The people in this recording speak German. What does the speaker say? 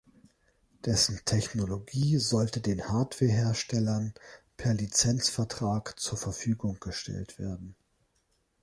Dessen Technologie sollte den Hardware-Herstellern per Lizenzvertrag zur Verfügung gestellt werden.